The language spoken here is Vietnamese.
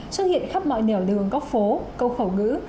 xuất hiện khắp mọi nẻo đường góc phố câu khẩu ngữ